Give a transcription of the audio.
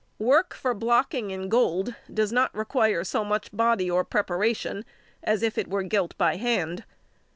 |153| Work for blocking in gold does not require so much body or preparation as if it were gilt by hand.